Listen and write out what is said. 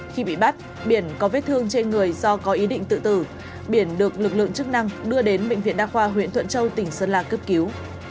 khi bị bắt biển có vết thương trên người do có ý định tự tử biển được lực lượng chức năng đưa đến bệnh viện đa khoa huyện thuận châu tỉnh sơn la cấp cứu